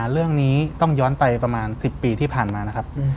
เรื่องนี้ต้องย้อนไปประมาณ๑๐ปีที่ผ่านมานะครับ